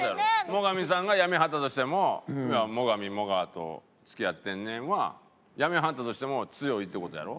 最上さんがやめはったとしても「最上もがと付き合ってんねん」はやめはったとしても強いって事やろ？